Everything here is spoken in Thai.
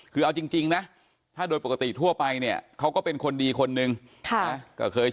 คือเอาจริงนะถ้าโดยปกติทั่วไปเนี่ย